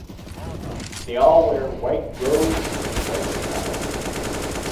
They all wear white robes and white crowns.